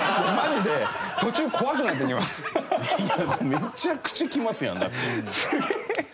めちゃくちゃきますやんだって。